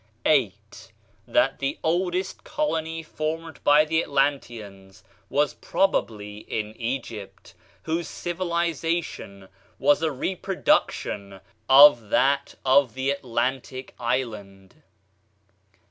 8. That the oldest colony formed by the Atlanteans was probably in Egypt, whose civilization was a reproduction of that of the Atlantic island.